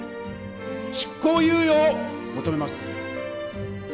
執行猶予を求めます。